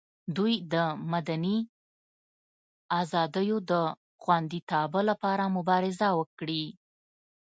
دوی د مدني ازادیو د خوندیتابه لپاره مبارزه وکړي.